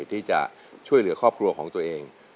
ที่จะช่วยเหลือครอบครัวของตัวเอง